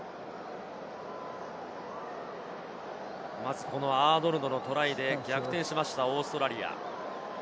まずアーノルドのトライで逆転しました、オーストラリア。